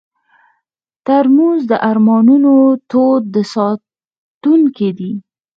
ترموز د ارمانونو تود ساتونکی دی.